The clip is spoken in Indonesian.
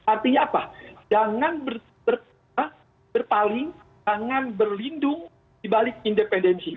artinya apa jangan berpaling jangan berlindung dibalik independensi